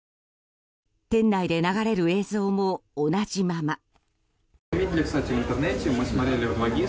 店内で流れる映像も同じまま。